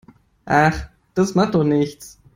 Ach, das macht doch nichts.